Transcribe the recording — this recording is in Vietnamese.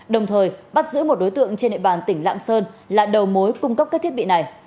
đồng thời bắt giữ một đối tượng trên nệ bàn tỉnh lạng sơn là đầu mối cung cấp các thiết bị này